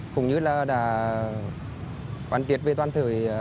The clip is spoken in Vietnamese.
cũng như là đã hoàn thiệt về toàn bộ tình hình của chúng tôi